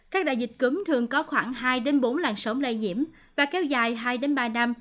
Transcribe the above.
các đại dịch cúm thường có khoảng hai bốn làn sóng lây nhiễm và kéo dài hai ba năm